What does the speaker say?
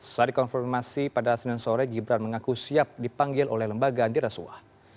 saat dikonfirmasi pada senin sore gibran mengaku siap dipanggil oleh lembagaan dirasuah